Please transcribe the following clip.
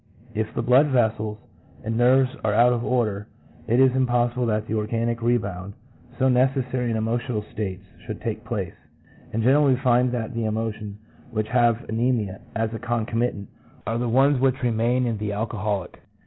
If the blood vessels and nerves are out of order, it is impossible that the organic rebound, so necessary in all emotional states, should take place; and generally we find that the emotions which have anemia as a concomitant are the ones which remain in the alcoholic.